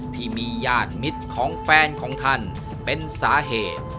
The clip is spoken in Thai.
ที่มีญาติมิตรของแฟนของท่านเป็นสาเหตุ